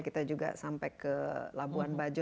kita juga sampai ke labuan bajo